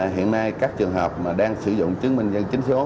hiện nay các trường hợp mà đang sử dụng chứng minh dân chính số